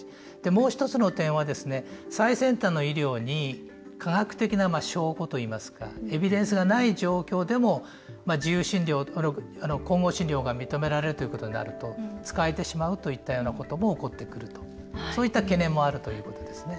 もう一つの点は最先端の医療に科学的な証拠といいますかエビデンスがない状況でも自由診療、混合診療が認められるということになると使えてしまうといったようなことも起こってくるとそういった懸念もあるということですね。